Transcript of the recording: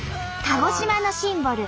鹿児島のシンボル